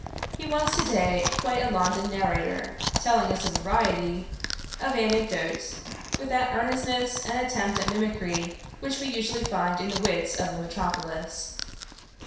He was to day quite a London narrator, telling us a variety of anecdotes with that earnestness and attempt at mimicry which we usually find in the wits of the metropolis.